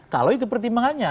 kalau itu pertimbangannya